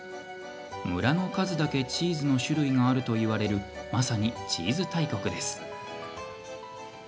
村の数だけチーズの種類があるといわれるまさにチーズ大国です。